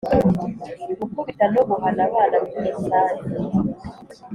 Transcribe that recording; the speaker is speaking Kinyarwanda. gukubita no guhana abana muri rusange: